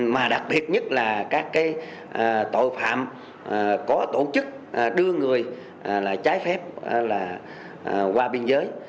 mà đặc biệt nhất là các tội phạm có tổ chức đưa người trái phép qua biên giới